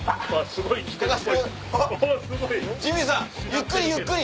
ゆっくりゆっくり！